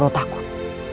harus kau berat